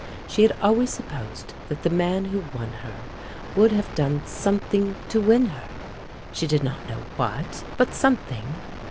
She had always supposed that the man who won her would have done something to win her; she did not know what, but something.